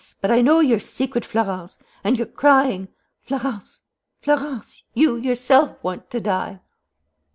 But I know your secret, Florence! And you're crying! Florence, Florence, you yourself want to die!"